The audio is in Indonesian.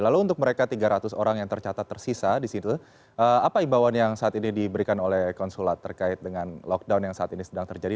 lalu untuk mereka tiga ratus orang yang tercatat tersisa di situ apa imbauan yang saat ini diberikan oleh konsulat terkait dengan lockdown yang saat ini sedang terjadi